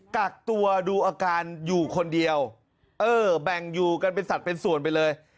กักตัวดูอาการอยู่คนเดียวเออแบ่งอยู่กันเป็นสัตว์เป็นส่วนไปเลย